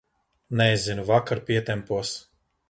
Nezinu, vakar pietempos.